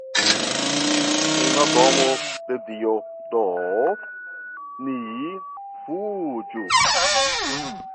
En la nomo de Dio do, ni fuĝu.